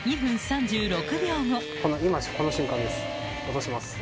落とします。